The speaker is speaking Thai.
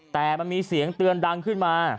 แต่มันมีเสียงเตือนดังขึ้นมา